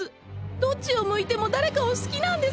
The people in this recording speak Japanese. どっちを向いても誰かを好きなんです！